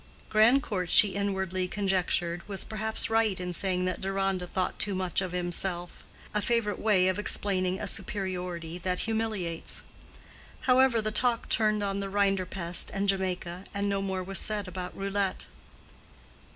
Grandcourt, she inwardly conjectured, was perhaps right in saying that Deronda thought too much of himself:—a favorite way of explaining a superiority that humiliates. However the talk turned on the rinderpest and Jamaica, and no more was said about roulette.